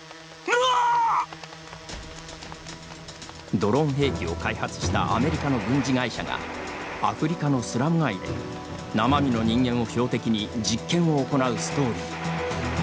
ドローン兵器を開発したアメリカの軍事会社がアフリカのスラム街で生身の人間を標的に実験を行うストーリー。